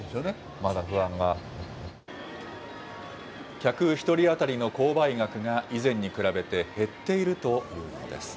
客１人当たりの購買額が、以前に比べて減っているというんです。